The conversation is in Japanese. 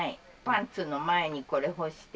パンツの前にこれ干して。